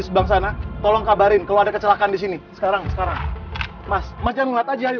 sebelah sana tolong kabarin kalau ada kecelakaan di sini sekarang sekarang mas mas januar aja di